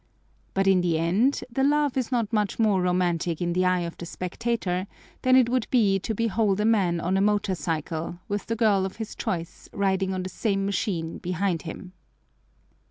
But in the end the love is not much more romantic in the eye of the spectator than it would be to behold a man on a motorcycle with the girl of his choice riding on the same machine behind him.